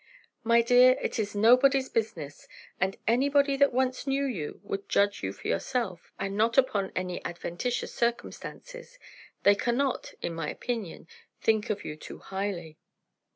"My dear, it is nobody's business. And anybody that once knew you would judge you for yourself, and not upon any adventitious circumstances. They cannot, in my opinion, think of you too highly."